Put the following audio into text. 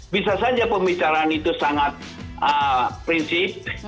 bisa saja pembicaraan itu sangat prinsip